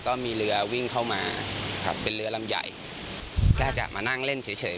ก็มีเรือวิ่งเข้ามาครับเป็นเรือลำใหญ่ก็จะมานั่งเล่นเฉย